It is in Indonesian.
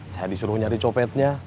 saya disuruh nyari copetnya